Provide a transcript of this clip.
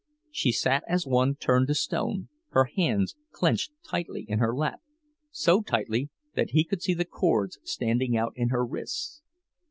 She sat as one turned to stone, her hands clenched tightly in her lap, so tightly that he could see the cords standing out in her wrists.